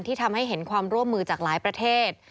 ทำให้เห็นความร่วมมือจากหลายประเทศ